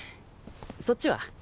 そっちは？